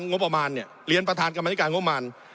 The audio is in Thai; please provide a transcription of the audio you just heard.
งบประมาณเนี่ยเรียนประธานกรรมธิการงบประมาณ